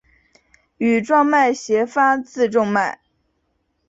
羽状脉斜发自中脉。